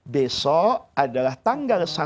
besok adalah tanggal